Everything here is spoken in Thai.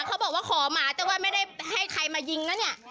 เขาบอกว่าขอหมาแต่ว่าไม่ได้ให้ใครมายิงนะเนี่ย